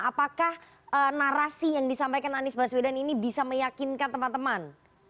apakah narasi yang disampaikan anies baswedan ini bisa meyakinkan teman teman